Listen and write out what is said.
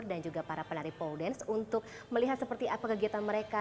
dan juga para penari pole dance untuk melihat seperti apa kegiatan mereka